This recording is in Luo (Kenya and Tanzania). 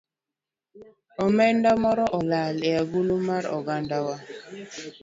Omenda moro olal e agulu mar ogandawa